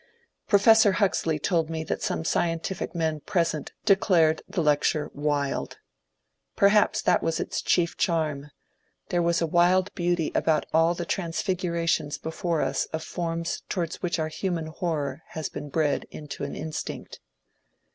Professor Huxley told me that some scientific men present declared the lecture wild. Perhaps that was its chief charm ; DANTE GABRIEL ROSSETTI 123 there was a wild beauty about all the transfigurations before us of forms towards which our human horror has been bred into an instinct.